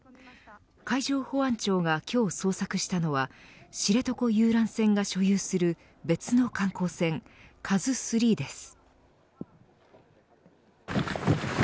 海上保安庁が今日捜索したのは知床遊覧船が所有する別の観光船、ＫＡＺＵ３です。